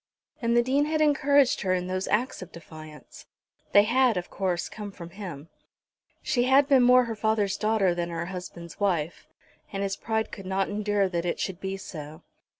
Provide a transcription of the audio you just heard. And the Dean had encouraged her in those acts of defiance. They had, of course, come from him. She had been more her father's daughter than her husband's wife, and his pride could not endure that it should be so.